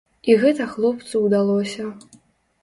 І гэта хлопцу ўдалося.